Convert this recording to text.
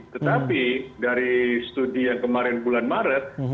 tetapi dari studi yang kemarin bulan maret